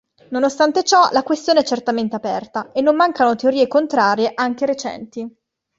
Nonostante ciò, la questione è certamente aperta e non mancano teorie contrarie anche recenti.